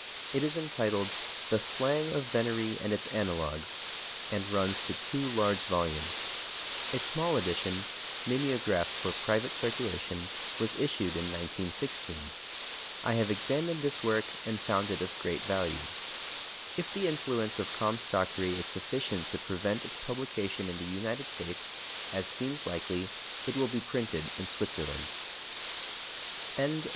It is entitled "The Slang of Venery and Its Analogues," and runs to two large volumes. A small edition, mimeographed for private circulation, was issued in 1916. I have examined this work and found it of great value. If the influence of comstockery is sufficient to prevent its publication in the United States, as seems likely, it will be printed in Switzerland. FOOTNOTES: It should be noted that /mews/ is used only in the larger cities.